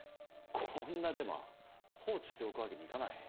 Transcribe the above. こんなデマ放置しておくわけにいかない。